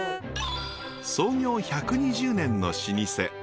創業１２０年の老舗。